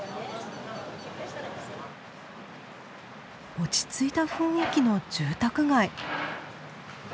落ち着いた雰囲気の住宅街。